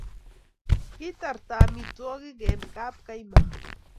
kitarta amitwogik eng' kapkaima